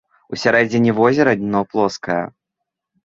У сярэдзіне возера дно плоскае.